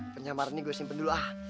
penyamar ini gue simpen dulu ah